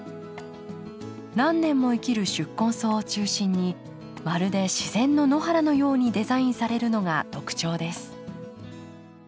何年も生きる宿根草を中心にまるで自然の野原のようにデザインされるのが特徴です。